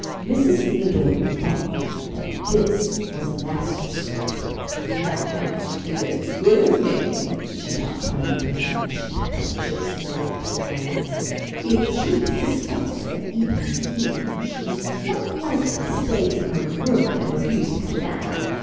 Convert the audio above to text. Mrs. Theodora thought that this was a master stroke. "That match is as good as made," she thought triumphantly as she picked up chips to start the tea fire. "If Judith suspects that Eben is here she is quite likely to stay in her room and refuse to come down.